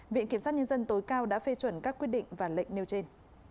viện kiểm sát nhân dân tối cao đã phê chuẩn các quyết định và lệnh nêu trên